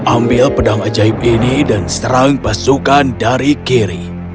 ambil pedang ajaib ini dan serang pasukan dari kiri